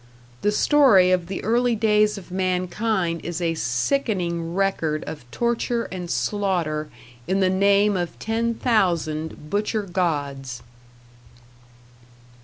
The story of the early days of mankind is a sickening record of torture and slaughter in the name of ten thousand butcher gods.